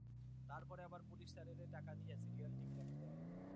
তার পরে আবার পুলিশ স্যারেরে টাকা দিয়ে সিরিয়াল ঠিক রাখতে হয়।